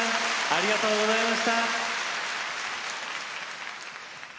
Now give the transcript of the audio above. ありがとうございます。